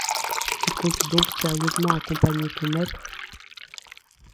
Tu comptes donc sérieusement accompagner ton maître?